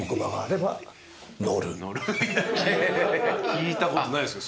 聞いたことないですよ